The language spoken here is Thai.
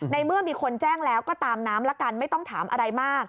เมื่อมีคนแจ้งแล้วก็ตามน้ำละกันไม่ต้องถามอะไรมาก